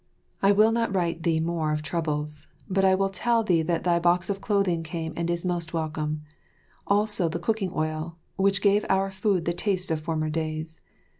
I will not write thee more of troubles, but I will tell thee that thy box of clothing came and is most welcome; also the cooking oil, which gave our food the taste of former days.